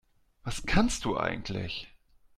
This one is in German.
Was kannst du eigentlich?